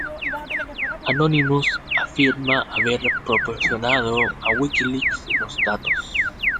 Anonymous afirma haber proporcionado a Wikileaks los datos.